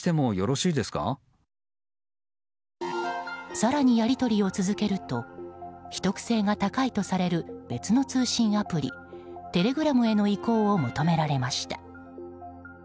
更にやり取りを続けると秘匿性が高いとされる別の通信アプリ、テレグラムへの移行を求められました。